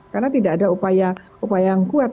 karena tidak ada upaya yang kuat